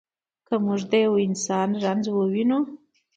که موږ د یوه انسان رنځ ووینو.